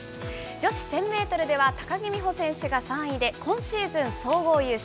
女子１０００メートルでは高木美帆選手が３位で、今シーズン総合優勝。